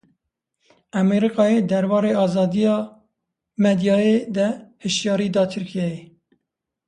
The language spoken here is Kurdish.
Amerîkayê derbarê azadiya medyayê de hişyarî da Tirkiyeyê.